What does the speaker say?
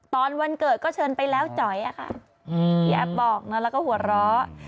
พี่แอ๊ะบอกแล้วก็หัวเราะ